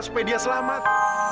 supaya dia selamat